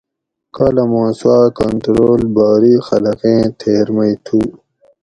کالاماں سوآ کنٹرول باری خلقیں تھیر مئی تھو